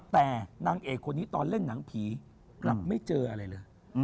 แต่นางเอกคนนี้ตอนเล่นหนังผีกลับไม่เจออะไรเลย